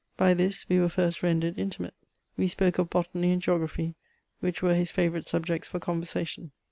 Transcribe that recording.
By this we were first rendered intimate. We spoke of botany and geography, which were his favourite subjects for conversation.